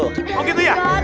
oh gitu ya